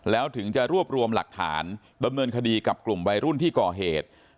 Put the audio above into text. แล้วถึงจะรวบรวมหลักฐานดำเนินคดีกับกลุ่มวัยรุ่นที่ก่อเหตุ